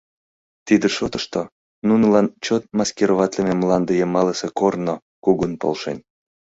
Тиде шотышто нунылан чот маскироватлыме мланде йымалсе корно кугун полшен.